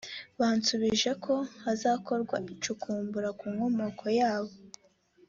basubijwe ko hazakorwa icukumbura ku nkomoko yabo